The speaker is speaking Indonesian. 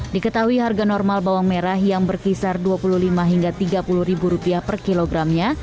diketahui harga normal bawang merah yang berkisar dua puluh lima hingga rp tiga puluh ribu rupiah per kilogramnya